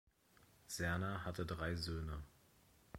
Serner hatte drei Söhne.